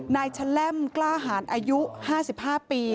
แชล่มกล้าหารอายุ๕๕ปี